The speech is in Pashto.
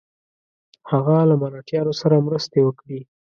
هغه له مرهټیانو سره مرستې وکړي.